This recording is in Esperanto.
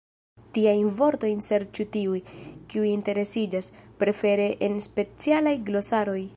Tiajn vortojn serĉu tiuj, kiuj interesiĝas, prefere en specialaj glosaroj.